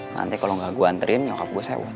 nanti kalau gak gue anterin nyokap gue sewet